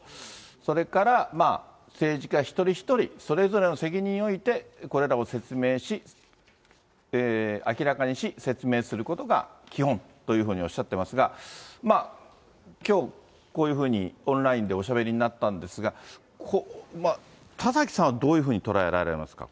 それから、政治家一人一人、それぞれの責任において、これらを説明し、明らかにし、説明することが基本というふうにおっしゃってますが、まあ、きょうこういうふうに、オンラインでおしゃべりになったんですが、田崎さんはどういうふうに捉えられますか？